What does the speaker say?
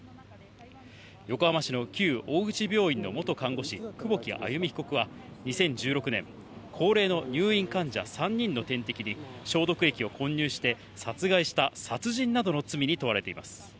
横浜市の旧大口病院の元看護師、久保木愛弓被告は２０１６年、高齢の入院患者３人の点滴に消毒液を混入して殺害した殺人などの罪に問われています。